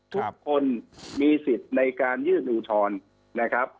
ทุกคนมีสิทธิ์ในการยื่นอุทธรณ์นะครับ